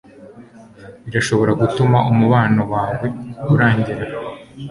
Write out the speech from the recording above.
birashobora gutuma umubano wawe urangira